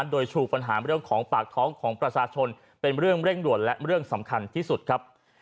โดยชูปัญหาเรื่องของปากท้องของประชาชนเป็นเรื่องเร่งด่วนและเรื่องสำคัญที่สุดครับ